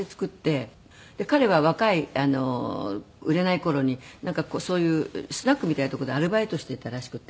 彼は若い売れない頃になんかそういうスナックみたいなとこでアルバイトしていたらしくて。